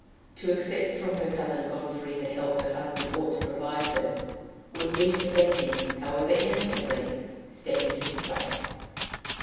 To accept from her cousin Godfrey the help her husband ought to provide her, would be to let him, however innocently, step into his place!